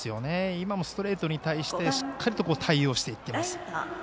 今もストレートに対してしっかりと対応していっています。